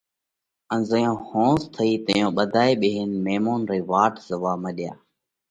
ان زئيون ۿونز ٿئِي تئيون ٻڌائي ٻيهينَ ميمونَ رئي واٽ زوئا مڏيا۔